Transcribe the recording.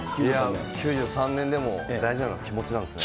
９３年でも大事なのは気持ちなんですね。